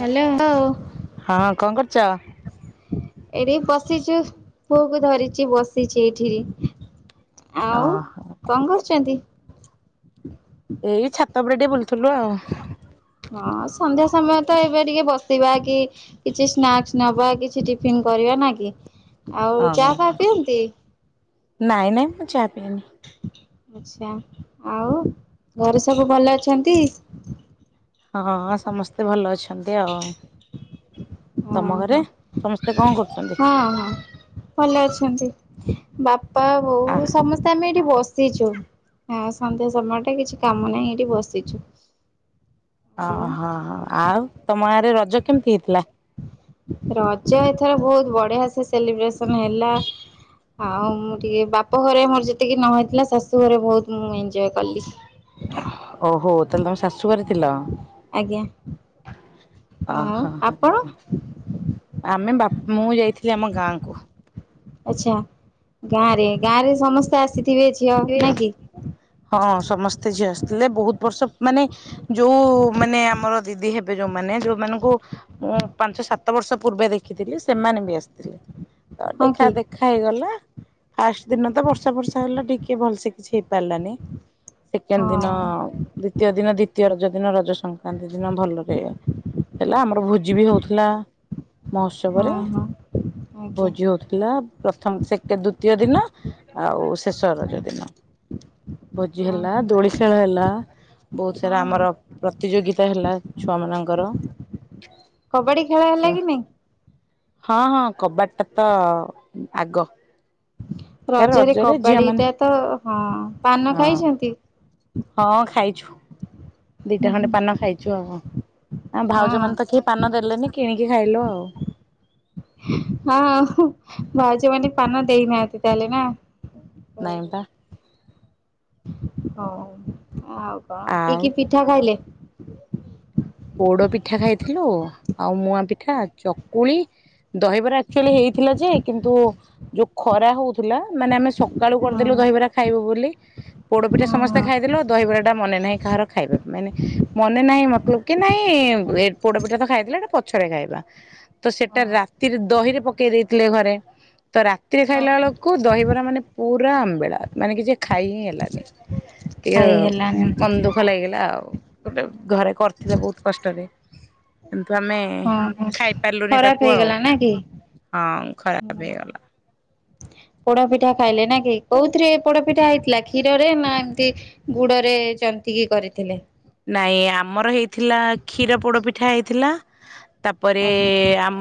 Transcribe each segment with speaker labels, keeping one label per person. Speaker 1: Hello ଓ
Speaker 2: ହଁଁ କଣ କରୁଛ?
Speaker 1: ଏଇଠି ବସିଚି, ପୁଅକୁ ଧରିଛିି ବସିଚି ଏଠି। ଆଉ
Speaker 2: ଓହୋ
Speaker 1: କଣ କରୁଚନ୍ତି?
Speaker 2: ଏଇ ଛାତ ଉପରେ ଟେକେ ବୁଲୁଥିଲୁ ଆଉ।
Speaker 1: ହଁ ସନ୍ଧ୍ୟା ସମୟ ତ ଏବେ ଟିକେ ବସିବା କି କିଛି ସ୍ନାକ୍ସ ନବା କିଛି ଟିଫନ୍ କରିବା ନା କି। ଆଉ ଚା
Speaker 2: ହଁ
Speaker 1: ଫା ପିଅନ୍ତି?
Speaker 2: ନାଇଁ ନାଇଁ ମୁଁ ଚାଏନି।
Speaker 1: ଆଚ୍ଛା ଆଉ ଘରେ ସବୁ ଭଲ ଅଛନ୍ତି?
Speaker 2: ହଁ ସମସ୍ତେ ଭଲ ଅଛନ୍ତି ଆଉ।
Speaker 1: ହଁ
Speaker 2: ତମ ଘରେ
Speaker 1: ହଁ
Speaker 2: ସମସ୍ତେ କଣ କରୁଛନ୍ତି?
Speaker 1: ହଁ ହଁ ଭଲ ଅଛନ୍ତି। ବାପା,
Speaker 2: ଆ
Speaker 1: ବୋଉ ସମସ୍ତେ ଆମେ ଏଇଠି ବସି ସିଛୁ ହଁ ସନ୍ଧ୍ୟା ସମୟଟା କିଛି କାମ ନାହିଁ ଏଇଠି ବସିଛୁ।
Speaker 2: ଅ ହ ଆଉ ତମ ଗାଁ ରେ ରଜ କେମିତି ହେଇଥିଲା?
Speaker 1: ରଜ ଏଥର ବହୁତ ବଢିଆ ସେ ସେଲିବ୍ରେସନ ହେଲା। ଆଉ ମୁଁ ଟିକେ ବାପ ଘରେ ମୋର ଯେତିକି ନହେଇଥିଲା, ଶାଶୁ ଘରେ ବହୁତ ମୁଁ ଏନଜୟ କଲି।
Speaker 2: ଓହୋ ତାହେଲେ ତମେ ଶାଶୁ ଘରେ ଥିଲ?
Speaker 1: ଆଜ୍ଞା। ଆଉ
Speaker 2: ଓହ
Speaker 1: ଆପଣ
Speaker 2: ଆମେ ବାପ ମୁଁ ଯାଇଥିଲି ଆମ ଗାଁକୁ।
Speaker 1: ଆଚ୍ଛା ଗାଁରେ ଗାଁ ରେ ସମସ୍ତେ ଆସିଥିବେ ଝିଅ ନାଇଁ
Speaker 2: କିଏସେ
Speaker 1: କି
Speaker 2: ହଁ ସମସ୍ତେ ଝିଅ ଆସିଥିଲେ ବହୁତ ବର୍ଷ ମାନେ ଯୋଉ ମାନେ ଆମର ଦିଦି ହେବେ ଯୋଉମାନେ ଯୋଉମାନଙ୍କୁ ମୁଁ ପାଞ୍ଚ ସାତ ବର୍ଷ ପୂର୍ବେ ଦେଖିଥିଲି ସେମାନେ ବି ଆସିଥିଲେ। ତ
Speaker 1: ହଁ
Speaker 2: ଦେଖା
Speaker 1: କି?
Speaker 2: ଦେଖା ହେଇଗଲା। ଫାଷ୍ଟ ଦିନ ତ ବର୍ଷା ଫର୍ଷା ହେଲା ଟିକ କେ ଭଲସେ କିଛି ହେଇପାରିଲାନି,
Speaker 1: ହଁ
Speaker 2: ସେକେଣ୍ଡ ଦିନ ଦ୍ଵିତୀୟ ଦିନ ଦି ଦ୍ଵିତୀୟ ରଜ ଦିନ ରଜ ସଂକ୍ରାନ୍ତି ଦିନ ଭଲରେ ହେଲା ଆମର ଭୋଜି ବି ହଉଥିଲା। ମହୋତ୍ସବରେ
Speaker 1: ହଁ ହଁ ଆଜ୍ଞା
Speaker 2: ଭୋଜି ହଉଥିଲା। ପ୍ରଥମ ସେଟ୍ ଦ୍ଵିତୀୟ ଦିନ, ଆଉ ଶେଷର ଦିନ ଭୋଜି
Speaker 1: ହଁ
Speaker 2: ହେଲା
Speaker 1: ହଁ
Speaker 2: ଦୋଳି ଖେଳ ହେଲା ବହୁତ ସାରା
Speaker 1: ହଁ।
Speaker 2: ଆମର ପ୍ରତିଯୋଗିତା ହେଲା ଛୁଆମାନଙ୍କର।
Speaker 1: କବାଡି ଖେଳ ହେଲା କି ନାଇଁ?
Speaker 2: ହଁ ହଁ କବାଡି ଟା ତ ଆଗ। ତା
Speaker 1: ରଜରେ
Speaker 2: ଝିଅ
Speaker 1: କବାଡି
Speaker 2: ମାନେ
Speaker 1: ଟା ତ ହଁ ପାନ ଖାଇଛନ୍ତି।
Speaker 2: ହଁ ଖାଇଛୁ। ଦିଟା ଖଣ୍ଡେ ପାନ ଖାଇଛୁ ଆଉ, ଆ
Speaker 1: ହଁ
Speaker 2: ଭାଉଜ ମାନେ ତ କେହି ପାନ ଦେଲେନି କିଣିକି ଖାଇଲୁ ଆଉ।
Speaker 1: ହଁ ଭାଉଜ ମାନେ ପାନ ଦେଇନାହାନ୍ତି ତାହେଲେ ନା?
Speaker 2: ନାଇଁ ପା।
Speaker 1: ହଁ ଆଉ କଣ? କି
Speaker 2: ଆଉ
Speaker 1: କି ପିଠା ଖାଇଲେ?
Speaker 2: ପୋଡ ପିଠା ଖାଇଥିଲୁ ଆଉ ମୁଆଁ ପିଠା, ଚକୁଳି ଦହିବରା ଆକ୍ଚୁଏଲି ହେଇଥିଲା ଯେ କିନ୍ତୁ ଯୋଉ ଖରା ହଉଥିଲା ମାନେ ଆମେ ସ କାଳୁ
Speaker 1: ହଁ
Speaker 2: କରିଦେଲୁ ଦହିବରା ଖାଇବୁ ବୋଲି, ପୋଡପିଠା ସମସ୍ତେ
Speaker 1: ହଁ
Speaker 2: ଖାଇଦେ ଦହିବରା ଟା ମନେ ନାହିଁ କାହାର ଖାଇବା ମାନେ ମନେ ନାହିଁ ମତଲବ କି ନାଇଁ ଏ ପୋଡପିଠା ତ ଖାଇଥିଲା ଏଟା ପଛରେ ଖାଇବା ତ ସେଇଟା
Speaker 1: ହଁ
Speaker 2: ରା ରେ ଦହିରେ ପକେଇ ଦେଇଥିଲେ ଘରେ ତ ରାତିରେ
Speaker 1: ହଁ
Speaker 2: ଖାଇଲା ବେଳକୁ ଦହିବରା ମାନେ ପୁରା ଆମ୍ବିଳା ମାନେ କିଛି ଖାଇ ହିଁ ହେଲାନି ଏ
Speaker 1: ଖାଇ ହେଲାନି
Speaker 2: ବନ୍ଦୁଖ ଭୁଃଖ ଲାଗଗଲା ଆଉ ଗୋଟେ ଘରେ କରିଥିଲେ ବହୁତ କଷ୍ଟରେ କିନ୍ତୁ ଆମେ
Speaker 1: ହଁ
Speaker 2: ଖାଇପାରିଲୁନି
Speaker 1: ଖରାପ
Speaker 2: ତାକୁ ଆଉ
Speaker 1: ହେଇଗଲା ନା କି?
Speaker 2: ହଁ ଖରାପ ହେଇଗଲା
Speaker 1: ପୋଡାପିଠା ଖାଇଲେ ନା କି କୋଉଥିରେ ପୋଡାପିଠା ହେଇଥିଲା କ୍ଷୀରରେ ନା ଏମତି ଗୁଡରେ ଜନ୍ତିକି କରିଥିଲେ।
Speaker 2: ନାଇଁ ଆମର ହେଇଥିଲା କ୍ଷୀର ପୋଡ ପିଠା ହେଇଥିଲା ତାପରେ
Speaker 1: ଆଜ୍ଞା
Speaker 2: ଆମ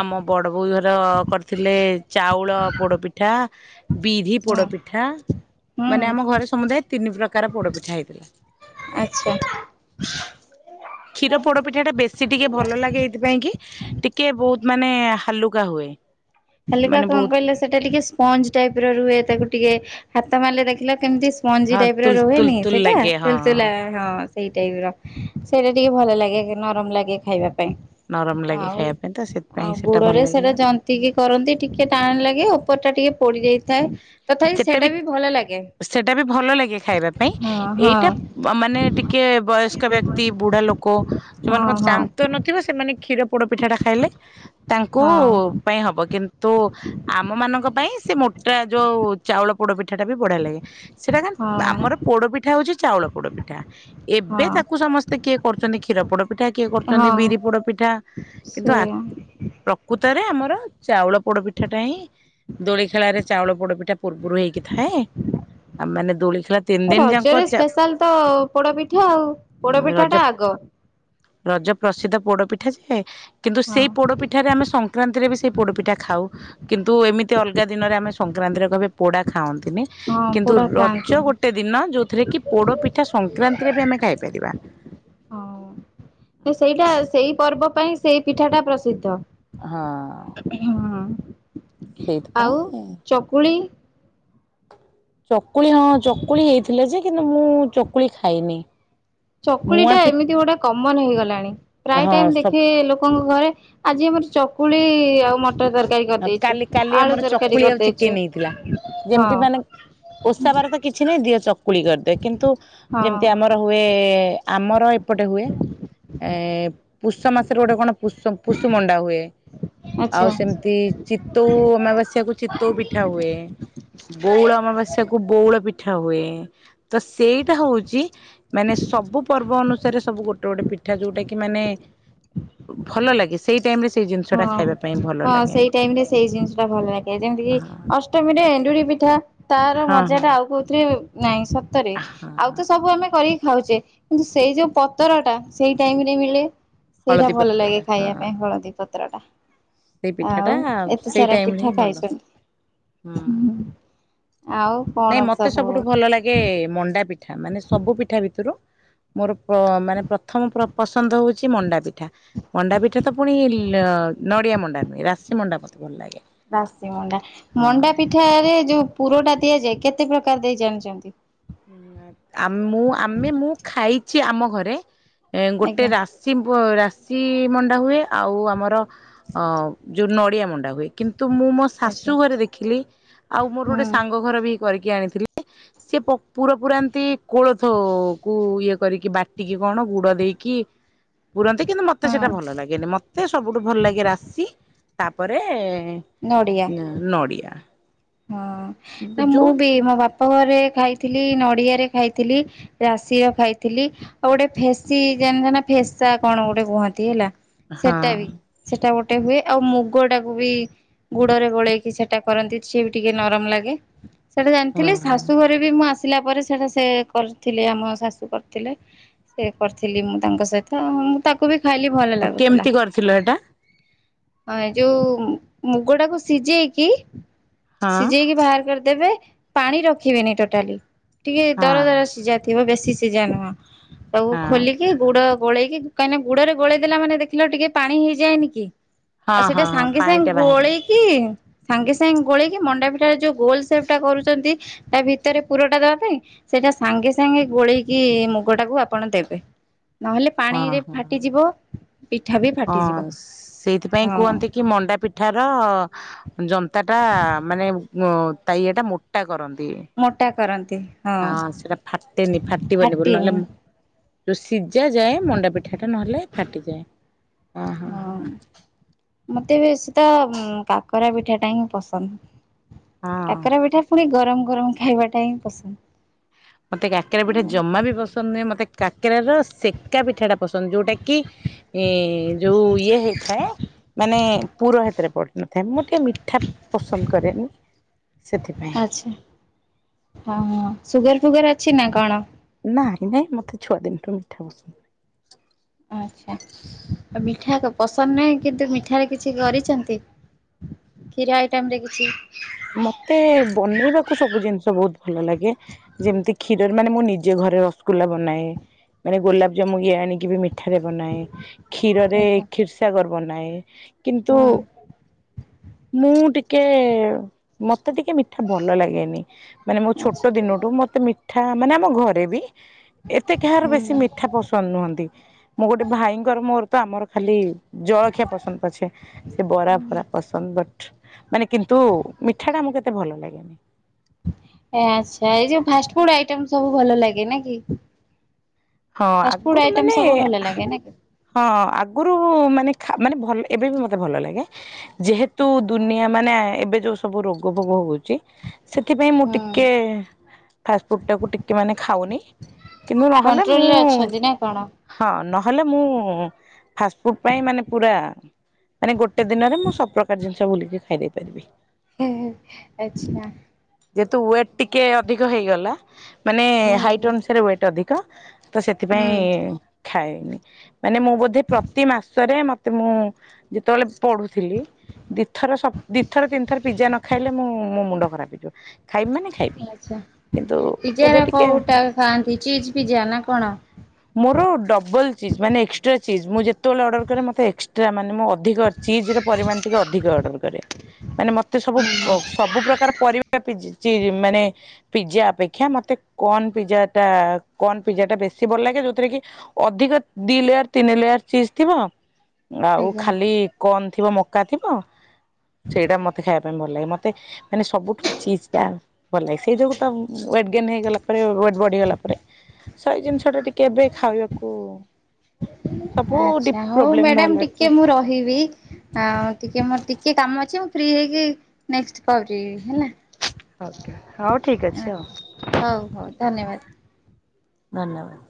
Speaker 2: ଆମ ବଡ଼ ବୋଉ ଘର କରିଥିଲେ ଚାଉଳ ପୋଡ଼ପିଠା ବିରୀ
Speaker 1: ହଁ
Speaker 2: ପୋଡପିଠା ମାନେ ଆମ
Speaker 1: ହୁଁ
Speaker 2: ଘରେ ସମୁଦାୟ ତିନି ପ୍ରକାର ପୋଡପିଠା ହେଇଥିଲା।
Speaker 1: ଆଚ୍ଛା। [inaudible]
Speaker 2: କ୍ଷୀର ପୋଡ ପିଠା ଟା ବେଶୀ ଟିକେ ଭଲ ଲାଗେ ଏଇଥିପାଇଁ କି ଟିକେ ବହୁତ ମାନେ ହାଲୁକା ହୁଏ
Speaker 1: ହାଲିକା
Speaker 2: ମାନେ
Speaker 1: କଣ
Speaker 2: ବହୁତ
Speaker 1: କହିଲା ସେଟା ଟିକେ ସ୍ପଞ୍ଜ ଟାଇପ ର ରୁହେ ତାକୁ ଟିକେ ହାତ ମାରିଲେ ଦେଖିଲ କେମିତି ମଞ୍ଜି
Speaker 2: ହଁ
Speaker 1: ଟାଇପ ର
Speaker 2: ତୁଲ ତୁଲ
Speaker 1: ରୁହେନି
Speaker 2: ତୁଲ
Speaker 1: ସେଇଟା
Speaker 2: ଲାଗେ ହଁ
Speaker 1: ଚାଲଥିଲା। ହଁ ସେଇ ଟାଇପ ର ସେଇଟା ଟିକେ ଭଲ ଲାଗେ ନରମ ଲାଗେ ଖାଇବା ପାଇଁ
Speaker 2: ନରମ ଲାଗେ
Speaker 1: ଆଉ
Speaker 2: ଖାଇବା ପାଇଁ ତ ସେଥିପାଇଁ
Speaker 1: ଆଉ
Speaker 2: ସେଟା ଭଲ
Speaker 1: ଗୋଡରେ ସେଇଟା
Speaker 2: ଲାଗିଲା।
Speaker 1: ଯ ଟିକେ କରନ୍ତି ଟିକେ ଟାଣ ଲାଗେ ଉପର ଟା ଟିକେ ପୋଡି ଯାଇଥାଏ। ତଥାପି
Speaker 2: ସେଟା ବି
Speaker 1: ସେଇଟା ଭଲ ଲାଗେ
Speaker 2: ସେଟା ବି ଭଲ ଲାଗେ ଖାଇବା ପାଇଁ
Speaker 1: ହଁ ହଁ
Speaker 2: ଏଇଟା ମାନେ ଟିକେ ବୟସ୍କ ବ୍ୟକ୍ତି ବୁଢା ଲୋକ
Speaker 1: ହଁ
Speaker 2: ସେମାନଙ୍କ
Speaker 1: ହଁ
Speaker 2: ଦାନ୍ତ ନଥିବ ସେମାନେ କ୍ଷୀର ପୋଡ଼ପିଠାଟା ଖାଇଲେ ତାଙ୍କୁ
Speaker 1: ହଁ
Speaker 2: ପାଇଁ ହବ କିନ୍ତୁ ଆମ ମାନଙ୍କ ପାଇଁ ସେ ମୋଟା ଯୋଉ ଚାଉଳ ପୋଡ ପିଠା ଟା ବି ବଢିଆ ଲାଗେ ସେଟା କ
Speaker 1: ହଁ
Speaker 2: ଆମର ପୋଡପିଠା ହଉଛି ଚାଉଳ ପୋଡପିଠା ଏବେ ତାକୁ
Speaker 1: ହଁ
Speaker 2: ସମସ୍ତେ କିଏ କରୁଛନ୍ତି କ୍ଷୀର ପୋଡ ପିଠା କିଏ କରୁଛନ୍ତି
Speaker 1: ହଁ
Speaker 2: ବିରି ପୋଡ ପିଠା କିନ୍ତୁ
Speaker 1: ସେଇଆ
Speaker 2: ପ୍ରକୃତରେ ଆମର ଚାଉଳ ପୋଡପିଠା ଟା ହିଁ ଦୋଳି ଖେଳାରେ ଚାଉଳ ପୋଡପିଠା ପୂର୍ବରୁ ହେଇକି ଥାଏ ଆଉ ମାନେ ଦୋଳି ଖଲା
Speaker 1: ରଜରେ ସ୍ପେଶାଲ ତ ପୋଡପିଠା ଆଉ ପୋଡପିଠା
Speaker 2: ରଜ
Speaker 1: ଟା ଆଗ।
Speaker 2: ରଜ ପ୍ରସିଦ୍ଧ ପୋଡପିଠା ଯୋଏ କିନ୍ତୁ ସେଇ
Speaker 1: ହଁ
Speaker 2: ପୋଡ ପିଠାରେ ଆମେ ସଂକ୍ରାନ୍ତିରେ ବି ସେଇ ପୋଡ଼ପିଠା ଖାଉ କିନ୍ତୁ ଏମିତି ଅଲଗା ଦିନରେ ଆମେ ସଂକ୍ରାନ୍ତିରେ କହିବେ ପୋଡ଼ା ଖାଆନ୍ତିନି।
Speaker 1: ହଁ
Speaker 2: କିନ୍ତୁ
Speaker 1: ପୋଡା
Speaker 2: ରଜ
Speaker 1: ଖାଆନ୍ତିନି
Speaker 2: ଗୋଟେ ଦିନ ଯେଉଥିରେ କି ପୋଡ଼ ପିଠା ସଂକ୍ରାନ୍ତିରେ ବି ଆମେ ଖାଇପାରିବା।
Speaker 1: ହଁ ସେଇଟା ସେଇ ପର୍ବ ପାଇଁ ସେଇ ପିଠାଟା ପ୍ରସିଦ୍ଧ।
Speaker 2: ହଁ।
Speaker 1: ହଁ
Speaker 2: ସେଇଥିପାଇଁ
Speaker 1: ଆଉ ଚକୁଳି।
Speaker 2: ଚକୁଳି ହଁ ଚକୁଳି ହେଇଥିଲେ ଯେ କିନ୍ତୁ ମୁଁ ଚକୁଳି ଖାଇନି। ମୁଆଁ
Speaker 1: ପକୁଳିଟା
Speaker 2: ପି
Speaker 1: ଏମିତି ଗୋଟେ କମନ ହେଇଗଲାଣି ପ୍ରାୟ
Speaker 2: ହଁ
Speaker 1: ଟାଇମ
Speaker 2: ସ
Speaker 1: ଦେଖେ ଲୋକଙ୍କ ଘରେ ଆଜି ଆମର ଚକୁଳି ଆଉ ମଟର ତରକାରୀ।
Speaker 2: ହଁ
Speaker 1: କରିଦେଇଛୁ
Speaker 2: କାଲି କାଲି
Speaker 1: ଆଳୁ
Speaker 2: ଆମର
Speaker 1: ତରକାରୀ
Speaker 2: ଚକୁଳି ଆଉ
Speaker 1: କରିଦେଇଛୁ
Speaker 2: ଚିକେନ ହେଇଥିଲା
Speaker 1: ହଁ
Speaker 2: ଯେମିତି ମାନେ ଓଷା ବାର ତ କିଛି ନାଇଁ ଦିଅ ଚକୁଳି କରିଦି କିନ୍ତୁ
Speaker 1: ହଁ
Speaker 2: ଯେମିତି ଆମର ହୁଏ ଆମର ଏପଟେ ହୁଏ ଏ ପୁଷ ମାସରେ ଗୋଟେ କଣ ପ ପୁଷୁମଣ୍ଡା ହୁଏ ଆଉ
Speaker 1: ଆଚ୍ଛା।
Speaker 2: ସେମି ଚିତ୍ଉ ଅମାବାସ୍ୟାକୁ ଚିତ୍ତଉ ପିଠା ହୁଏ। ବଉଳ ଅମାବାସ୍ୟା କୁ ବଉଳ ପିଠା ହୁଏ ତ ସେଇଟା ହଉଚି ମାନେ ସବୁ ପର୍ବ ଅନୁସାରେ ସବୁ ଗୋଟେ ଗୋଟେ ପିଠା ଯୋଉଟା କି ମାନେ ଭଲ ଲାଗେ ସେଇ ଟାଇମ ରେ ସେଇ ଜିନିଷ ଟା
Speaker 1: ହଁ
Speaker 2: ଖାଇବା ପାଇଁ ଭଲ
Speaker 1: ହଁ
Speaker 2: ଲାଗେ।
Speaker 1: ସେଇ ଟାଇମ ରେ ସେଇ ଜିନିଷ ଟା ଭଲ ଲାଗେ ଯେମିତି
Speaker 2: ହଁ
Speaker 1: କିି ଅଷ୍ଟମୀରେ ଏଣ୍ଡୁରି ପିଠା ତାର
Speaker 2: ହଁ
Speaker 1: ମଜା ଟା ଆଉ କୋଉଥିରେ ନାଇଁ ସତରେ
Speaker 2: ହଁ
Speaker 1: ଆଉ
Speaker 2: ହଁ।
Speaker 1: ତ ସବୁ ଆମେ କରିକି ଖାଉଚେ। କିନ୍ତୁ ସେଇ ଯୋଉ ପତର ଟା ସେଇ ଟାଇମରେ ମିଳେ ସେଇଟା
Speaker 2: ହଳଦୀ
Speaker 1: ଭଲ ଲାଗେ
Speaker 2: ପତ୍ରଟା
Speaker 1: ଖାଇବା
Speaker 2: ହଁ
Speaker 1: ପାଇଁ ହଳଦୀ ପତର ଟା।
Speaker 2: ସେଇ ପିଠାଟା
Speaker 1: ଆଉ ଏତେ
Speaker 2: ସେଇ
Speaker 1: ସାରା
Speaker 2: ଟାଇମରେ
Speaker 1: ପିଠା
Speaker 2: ହିଁ ଭଲ।
Speaker 1: ଖାଇଛନ୍ତି? ହୁଁ। ଆଉ?
Speaker 2: ନାଇଁ
Speaker 1: କଣ
Speaker 2: ମତେ
Speaker 1: ସବୁ
Speaker 2: ସବୁଠୁ ଭଲ ଲାଗେ ମଣ୍ଡା ପିଠା ମାନେ ସବୁ ପିଠା ଭିତରୁ ମୋର ମାନେ ପ୍ରଥମ ପସନ୍ଦ ହଉଚି ମଣ୍ଡା ପିଠା। ମଣ୍ଡା ପିଠା ତ ପୁଣି ନଡ଼ିଆ ମଣ୍ଡା ନୁହେଁ ରାଶି ମଣ୍ଡା ମତେ ଭଲ ଲାଗେ।
Speaker 1: ରାସି ମଣ୍ଡା
Speaker 2: ହଁ।
Speaker 1: ମଣ୍ଡା ପିଠାରେ ଯଉ ପୁରଟା ଦିଆଯାଏ କେତେ ପ୍ରକାର ଦେଇ ଜାଣିଚନ୍ତି?
Speaker 2: ଆମ୍ ମୁଁ ଆମେ ମୁଁ ଖାଇଚି ଆମ ଘରେ ଏ ଗୋଟେ
Speaker 1: ଆଜ୍ଞା
Speaker 2: ରାଶ୍ ସି ରାଶି ମଣ୍ଡା ହୁଏ ଆଉ ଆମର ଯୁ ନଡ଼ିଆ ମଣ୍ଡା ହୁଏ କି ନ୍ତୁ ମୁଁ ମୋ ଶାଶୁ
Speaker 1: ଆଚ୍ଛା
Speaker 2: ଘରେ ଦେଖିଲି ଆଉ ମୋର ଗୋଟେ
Speaker 1: ହୁଁ
Speaker 2: ସାଙ୍ଗ ଘର ବି କରିକି ଆଣିଥିଲେ ସେ ପ ପୁରା ଏମିନ୍ତି କୋଳଥ କୁ ଇଏ କରିକି ବା ଟିକେ କଣ ଗୁଡ ଦେଇକି ପୁରନ୍ତି କିନ୍ତୁ ମତେ ସେଇଟା
Speaker 1: ହଁ
Speaker 2: ଭଲ ଲାଗେନି ମ ତେ ସବୁଠୁ ଭଲ ଲାଗେ ରାସି ତାପରେ
Speaker 1: ନଡ଼ିଆ
Speaker 2: ନଡ଼ିଆ।
Speaker 1: ହଁ ନା ମୁଁ ବି ମୋ ବାପ ଘରେ ଖାଇଥିଲି ନଡିଆରେ ଖାଇଥିଲି। ରାଶିର ଖାଇଥିଲି ଆଉ ଗୋଟେ ଫେସି ଜାଣିଚ ନା ଫେସା କଣ ଗୋଟେ କୁହନ୍ତି ହେଲା।
Speaker 2: ହଁ
Speaker 1: ସେଟା ବି। ସେଟା ଗୋଟେ ହୁଏ ଆଉ ମୁଗ ଟାକୁ ବି ଗୁଡରେ ଗୋଳେଇକି ସେଇଟା କରନ୍ତି। ସେ ବି ଟିକେ ନରମ ଲାଗେ ସେଟା ଜାଣିଥିଲେ
Speaker 2: ହଁ
Speaker 1: ଶାଶୁଘରେ ବି ମୁଁ ଆସିଲା ପରେ ସେଇଟା ସେ କରିଥିଲି ଆମ ଶାଶୁ କରିଥିଲେ। ସେ କରିଥିଲି ମୁଁ ତାଙ୍କ ସହିତ ମୁଁ ତାକୁ ବି ଖାଇଲି ଭଲ ଲାଗୁଥିଲା।
Speaker 2: କେମିତି କରିଥିଲ ଏଟା
Speaker 1: ହଁ ଏଯୋଉ ମୁଗ ଟାକୁ ସିଝେଇକି
Speaker 2: ହଁ
Speaker 1: ସିଝେଇକି ବାହାର କରିଦେବେ ପାଣି ରଖିବେନି ଟୋଟାଲି ଟିକେ
Speaker 2: ହଁ
Speaker 1: ଦର ଦର ସିଝା ଥିବ ବେଶୀ ସିଝା ନୁହଁ ତାକୁ
Speaker 2: ହଁ
Speaker 1: ଖୋଲିକି ଗୁଡ ଗୋଳେଇକି କାହିଁକିନା ଗୁଡରେ ଗୋଳେଇ ଦେଲା ମାନେ ଦେଖିଲ ଟିକେ ପାଣି ହେଇଯାଏନି କି?
Speaker 2: ହଁ
Speaker 1: ଆଉ ସେଇଟା
Speaker 2: ହଁ ହଁ
Speaker 1: ସାଙ୍ଗେ
Speaker 2: ପାଣିଟା
Speaker 1: ସାଙ୍ଗେ
Speaker 2: ବାହାରେ
Speaker 1: ଗୋଳେଇକି ସାଙ୍ଗେ ସାଙ୍ଗେ ଗୋଳେଇକି ମଣ୍ଡା ପିଠା ଯୋ ଗୋଲ ସେପ୍ ଟା କରୁଛନ୍ତି ତା ଭିତରେ ପୁରଟା ଦେବା ପାଇଁ ସେଇଟା ସାଙ୍ଗେ ସାଙ୍ଗେ ଗୋଳେଇକି ମୁଗ ଟାକୁ ଆପଣ ଦେବେ। ନହେଲେ
Speaker 2: ହଁ
Speaker 1: ପାଣିରେ
Speaker 2: ହଁ
Speaker 1: ଫାଟିଯିବ। ପିଠା ବି ଫା
Speaker 2: ହଁ ସେଇଥିପାଇଁ କୁହନ୍ତି କି ମଣ୍ଡାପି ପିଠାର ଜନ୍ତାଟା ମାନେ ତା ଇଏଟା ମୋଟା କରନ୍ତି।
Speaker 1: ମୋଟା କରନ୍ତି
Speaker 2: ହଁ ସେଟା ଫାଟେନି ଫାଟିବନି ବୋଲି ନହେଲେ
Speaker 1: ଫାଟିନି
Speaker 2: ଯୋଉ ସିଝା ଯାଏ ମଣ୍ଡା ପିଠା ଟା ନହେଲେ ଫାଟିଯାଏ ଅ।
Speaker 1: ହଁ ମତେ ବେଶୀ ତ କାକରା ପିଠା ଟା ହିଁ ପସନ୍ଦ।
Speaker 2: ହଁ
Speaker 1: କାକରା ପିଠା ପୁଣି ଗରମ ଗରମ ଖାଇବାଟା ହିଁ ପସନ୍ଦ।
Speaker 2: ମତେ କାକେରା ପିଠା ଜମା ବି ପସନ୍ଦ ନୁହେଁ ମତେ କାକେରା ର ସେକା ପିଠା ଟା ପସନ୍ଦ ଯୋଉଟା କି ଏ ଯୋଉ ଇଏ ହେଇଥାଏ। ମାନେ ପୁର ହେତିରେ ପଡ଼ି ନଥାଏ ମୁଁ ଟିକେ ମିଠା ପସନ୍ଦ କରେନି। ସେଥିପାଇଁ।
Speaker 1: ଆଚ୍ଛା। ହଁ, ସୁଗାର ଫୁଗାର ଅଛି ନା କଣ?
Speaker 2: ନାଇ ନାଇଁ, ମତେ ଛୁଆ ଦିନଠୁ ମିଠା ପସନ୍ଦ ନୁହେଁ।
Speaker 1: ଆଚ୍ଛା, ମିଠା ତ ପସନ୍ଦ ନାହିଁ କିନ୍ତୁ ମିଠାରେ କିଛି କରିଛନ୍ତି? କ୍ଷୀର ଆଇଟମ ରେ କିଛି।
Speaker 2: ମତେ ବନେଇବାକୁ ସବୁ ଜିନିଷ ବହୁତ ଭଲ ଲାଗେ। ଯେମିତି କ୍ଷୀରରେ ମାନେ ମୁଁ ନିଜେ ଘରେ ରସଗୁଲା ବନାଏ। ମାନେ ଗୋଲାପଜାମୁ ଇଏ ଆଣିକି ବି ମି ରେ ବନାଏ, କ୍ଷୀରରେ
Speaker 1: ଆଚ୍ଛା
Speaker 2: କ୍ଷୀରସାଗର ବନାଏ। କିନ୍ତୁ
Speaker 1: ହୁଁ
Speaker 2: ମୁଁ ଟିକେ ମତେ ଟିକେ ମିଠା ଭଲ ଲାଗେନି, ମାନେ ମୋ ଛୋଟ
Speaker 1: ଆଚ୍ଛା
Speaker 2: ଦିନଠୁ ମତେ ମି ମିଠା ମାନେ ଆମ ଘରେ ବି, ଏତେ କାହାର ବେଶୀ
Speaker 1: ହୁଁ।
Speaker 2: ମିଠା ପସନ୍ଦ ନୁହନ୍ତି। ମୁଁ ଗୋଟେ ଭାଇଙ୍କର ମୋର ତ ଆମର ଖାଲି ଜଳଖିଆ ପସନ୍ଦ ପଛେ ସେ ବରା ଫରା ପସନ୍ଦ। ବଟ୍ ମାନେ କିନ୍ତୁ ମିଠାଟା ଆମକୁ ଏତେ ଭଲ ଲାଗେନି।
Speaker 1: ଏ ଆଚ୍ଛା, ଏଇ ଯୋଉ ଫାଷ୍ଟ ଫୁଡ ଆଇଟମ୍ ସବୁ ଭଲ ଲାଗେ, ନା କି?
Speaker 2: ହଁ,
Speaker 1: ଫାଷ୍ଟଫୁଡ
Speaker 2: ଆଗରୁ
Speaker 1: ଆଇଟମ
Speaker 2: ମାନେ
Speaker 1: ସବୁ ଭଲ ଲାଗେ ନା କି?
Speaker 2: ହଁ ଆଗରୁ ମାନେ ଖା ମାନେ ଭଲ ଏବେ ବି ମତେ ଭଲ ଲାଗେ। ଯେହେତୁ ଦୁନିଆ ମାନେ ଏବେ ଯୋଉ ସବୁ ରୋଗ ଭୋଗ ହଉଛି। ସେଥିପାଇଁ ମୁଁ
Speaker 1: ହୁଁ
Speaker 2: ଟିକେ ଫାଷ୍ଟ ଫୁଡ୍ ଟାକୁ ଟିକେ ମାନେ ଖାଉନି କିନ୍ତୁ ନହେଲେ ମୁଁ
Speaker 1: ରେ ଅଛନ୍ତି ନା କଣ?
Speaker 2: ହଁ ନହେଲେ ମୁଁ ଫାଷ୍ଟଫୁଡ୍ ପାଇଁ ମାନେ ପୁରା ମାନେ ଗୋଟେ ଦିନରେ ମୁଁ ସବୁପ୍ରକାର ଜିନିଷ ବୁଲିକି ଖାଇ ଦେଇେଇ ପାରିବି।
Speaker 1: ଆଚ୍ଛା।
Speaker 2: ଯେହେତୁ ୱେଟ୍ ଟିକେ ଅଧିକ ହେଇଗଲା ମାନେ ହାଇଟ
Speaker 1: ହୁଁ
Speaker 2: ଅନୁସାରେ ୱେଟ୍ ଅଧିକ। ତ ସେଥିପାଇଁ
Speaker 1: ହୁଁ।
Speaker 2: ଖାଏନି। ମାନେ ମୁଁ ବୋଧେ ପ୍ରତି ମାସରେ ମତେ ମୁଁ ଯେତେବେଳେ ପଢୁଥିଲି। ଦିଥର ସ ଦିଥର ତିନିଥର ପିଜା ନ ଖାଇଲେ ମୁଁ ମୋ ମୁଣ୍ଡ ଖରାପ ହେଇଯିବ। ଖାଇବି ମାନେ ଖା
Speaker 1: ଆଚ୍ଛା, ପିଜାରେ କୋଉଟା ଖାଆନ୍ତି ଚିଜ୍ ପିଜା ନା କଣ?
Speaker 2: ମୋର ଡବଲ ଚିଜ୍, ମାନେ ଏକ୍ସଟ୍ରା ଚିଜ୍। ମୁଁ ଯେତେବେଳେ ଅର୍ଡର କରେ ମତେ ଏକ୍ସ ଟ୍ରା ମାନେ ମୁଁ ଅଧିକ ଚିଜ୍ ର ପରିମାଣ ଟିକେ ଅଧିକ ଅର୍ଡର କରେ। ମାନେ ମତେ ସବୁ,
Speaker 1: ହଁ ହଁ।
Speaker 2: ସବୁ ପ୍ରକାର ପରିବା ପିଜ ଚିଜ୍ ମାନେ ପିଜା ଅପେକ୍ଷା ମତେ କର୍ଣ ପିଜା ଟା କର୍ଣ ପିଜା ଟା ବେଶୀ ଭଲ ଲାଗେ ଯୋଉଥିରେ କି ଅଧିକ ଦି ଲେୟାର ତିନି ଲେୟାର ଚିଜ୍ ଥିବ। ଆଉ
Speaker 1: ଆଜ୍ଞା
Speaker 2: ଖାଲି କର୍ଣ ଥିବ ମକା ଥିବ ସେଇଟା ମତେ ଖାଇବା ପାଇଁ ଭଲ ଲାଗେ। ମତେ ମାନେ ସବୁଠୁ ଚିଜ୍ ଟା ଭଲ ଲାଗେ ସେଇ ଯୋଗୁ ତ ୱେଟ୍ ଗେନ୍ ହେଇଗଲା ପରେ ୱେଟ୍ ବଢିଗଲା। ପରେ ସେଇ ଜିନିଷ ଟା ଟିକେ ଏବେ ଖାଇବାକୁ ସବୁ ଡି
Speaker 1: ଆଚ୍ଛା ହଉ
Speaker 2: ପ୍ରୋବ୍ଲେମ
Speaker 1: ମ୍ୟାଡ଼ାମ ଟିକେ
Speaker 2: ବାହାରିଲାଣି।
Speaker 1: ମୁଁ ରହିବି। ଆଉ ଟିକେ ମୋର ଟିକେ କାମ ଅଛି ମୁଁ ଫ୍ରି ହେଇକି ନେକ୍ସଟ କରିବି ହେଲା।
Speaker 2: ଓକେ ହଉ ଠିକ୍ ଅଛି ଆଉ।
Speaker 1: ହଉ ହଉ ଧନ୍ୟବାଦ।
Speaker 2: ଧନ୍ୟବାଦ।